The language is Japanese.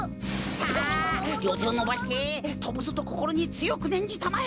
さありょうてをのばしてとぶぞとこころにつよくねんじたまえ！